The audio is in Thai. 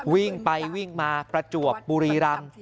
วิ่งไปวิ่งมาประจวบบุรีรำ